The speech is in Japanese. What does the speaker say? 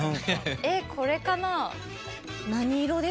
えっこれかな？